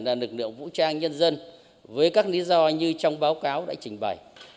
cảnh sát biển là lực lượng vũ trang nhân dân với các lý do như trong báo cáo đã trình bày